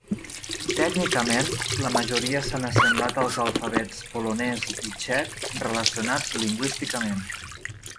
Tècnicament, la majoria s'han assemblat als alfabets polonès i txec relacionats lingüísticament.